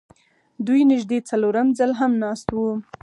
دوی نږدې څلورم ځل هم ناست وو